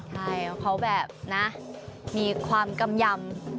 ใช่เขาแบบนะมีความกำยำ